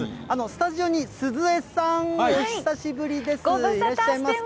スタジオに鈴江さん、お久しぶりご無沙汰してます。